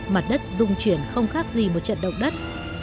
mặt đất dung chuyển không khác gì một trận động đất